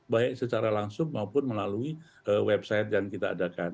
baik secara langsung maupun melalui website yang kita adakan